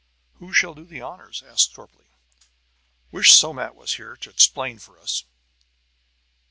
"Who shall do the honors?" asked Sorplee. "Wish Somat was here, to explain for us."